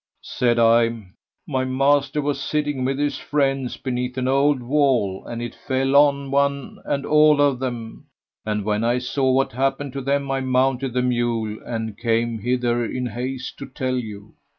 Said I, "My master was sitting with his friends beneath an old wall, and it fell on one and all of them; and when I saw what had happened to them, I mounted the mule and came hither in haste to tell you."